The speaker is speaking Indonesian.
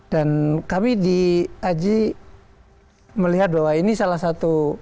dan kami di aji melihat bahwa ini salah satu